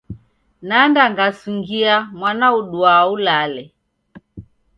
Nanda ngasungia mwana uduaa ulale.